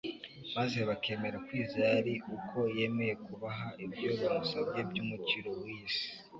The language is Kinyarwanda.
maze bakemera kwizera ari uko yemeye kubaha ibyo bamusabye by'umukiro w'iyi si;